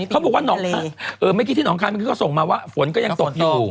เขาบอกว่าไม่คิดที่หนองคารก็ส่งมาว่าฝนก็ยังตกอยู่